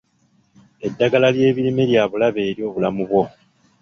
Eddagala ly'ebirime lya bulabe eri obulamu bwo.